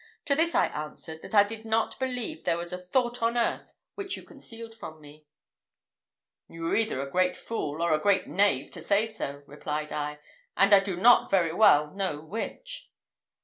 To this I answered, that I did not believe there was a thought on earth which you concealed from me." "You were either a great fool or a great knave to say so," replied I, "and I do not very well know which."